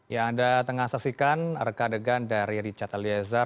yang anda tengah saksikan reka degan dari richard eliezer